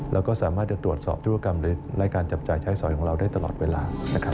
เราก็สามารถจะตรวจสอบธุรกรรมหรือรายการจับจ่ายใช้ส่อยของเราได้ตลอดเวลา